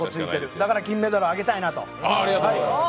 だから金メダルをあげたいなと。